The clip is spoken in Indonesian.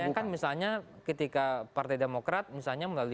bayangkan misalnya ketika partai demokrat misalnya melalui